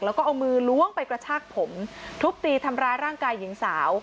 แล้วก็เอามือล้วงไปกระชากผมทุบตีทำร้ายร่างกายหญิงสาว